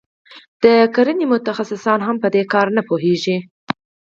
د کرنې متخصصان هم په دې کار نه پوهیږي.